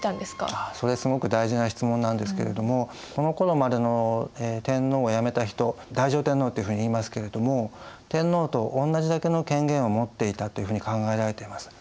それすごく大事な質問なんですけれどもこのころまでの天皇を辞めた人太上天皇っていうふうにいいますけれども天皇と同じだけの権限を持っていたというふうに考えられています。